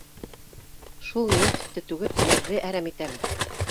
Шул нефтте түгеп, ерҙе әрәм итәбеҙ